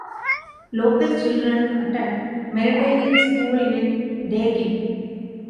Local children attend Meridian School in Daykin.